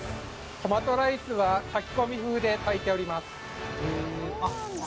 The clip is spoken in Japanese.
トマトライスは炊き込み風で炊いております。